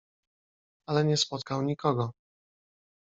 "Ale nie spotkał nikogo."